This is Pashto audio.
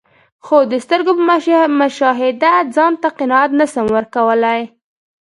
خو د سترګو په مشاهده ځانته قناعت نسم ورکول لای.